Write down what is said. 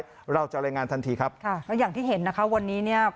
แล้วเราจะรายงานทันทีครับต่ออย่างที่เห็นนะคะวันนี้นี่